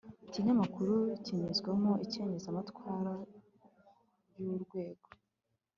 ikinyamakuru kinyuzwamo icengezamatwara ry'urwego